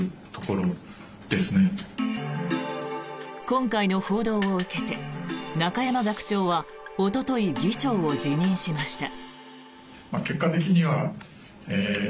今回の報道を受けて中山学長はおととい、議長を辞任しました。